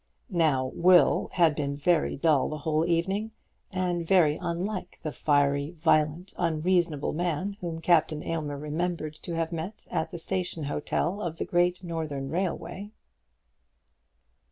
Now Will had been very dull the whole evening, and very unlike the fiery, violent, unreasonable man whom Captain Aylmer remembered to have met at the station hotel of the Great Northern Railway.